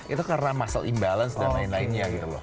itu karena muscle imbalance dan lain lainnya gitu loh